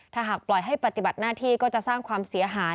ถ้าหากปล่อยให้ปฏิบัติหน้าที่ก็จะสร้างความเสียหาย